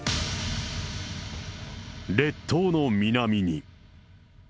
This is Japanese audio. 列島の南に。